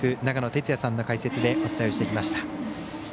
長野哲也さんの解説でお伝えをしてきました。